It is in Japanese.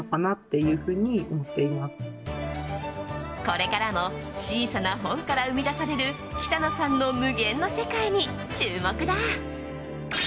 これからも小さな本から生み出される北野さんの無限の世界に注目だ。